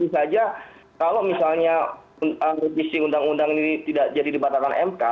kalau misalnya undang undang ini tidak jadi dibatalkan mk